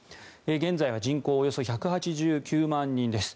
現在は人口およそ１８９万人です。